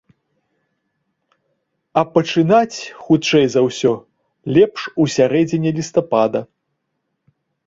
А пачынаць, хутчэй за ўсё, лепш у сярэдзіне лістапада.